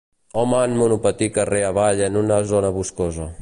Home en monopatí carrer avall en una zona boscosa.